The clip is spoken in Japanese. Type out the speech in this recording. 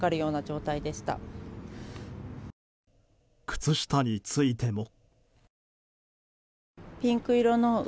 靴下についても。